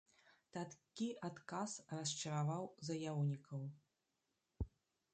Такі адказ расчараваў заяўнікаў.